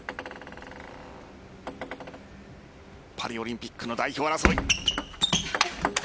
パリオリンピックの代表争い。